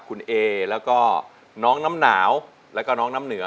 คุณเอแล้วก็น้องน้ำหนาวแล้วก็น้องน้ำเหนือ